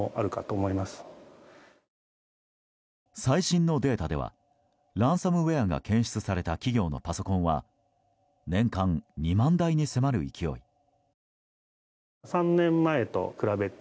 最新のデータではランサムウェアが検出された企業のパソコンは年間２万台に迫る勢い。